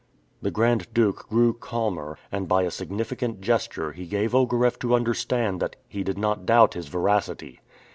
The Grand Duke grew calmer, and by a significant gesture he gave Ogareff to understand that he did not doubt his veracity.